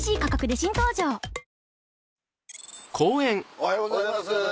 おはようございます。